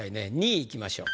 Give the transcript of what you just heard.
２位いきましょう。